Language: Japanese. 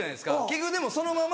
結局でもそのまま。